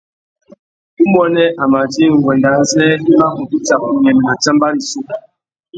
Umuênê a mà djï nguêndê azê i mà kutu tsaka unyêmê nà tsámbá rissú.